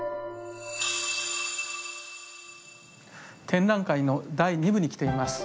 展覧会の第２部に来ています。